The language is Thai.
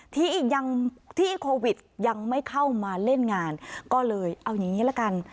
ที่ยังที่โควิดยังไม่เข้ามาเล่นงานก็เลยเอาอย่างนี้ละกัน